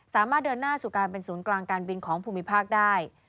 สามารถเดินหน้าสู่การเป็นศูนย์กลางการบินของภูมิภาคได้